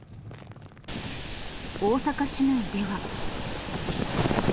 大阪市内では。